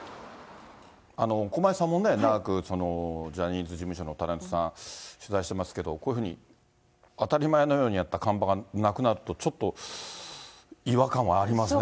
駒井さんもね、長く、ジャニーズ事務所のタレントさん、取材してますけど、こういうふうに当たり前のようにあった看板がなくなると、ちょっと違和感はありますね。